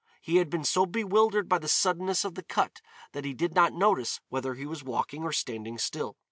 He had been so bewildered by the suddenness of the cut that he did not notice whether he was walking or standing still.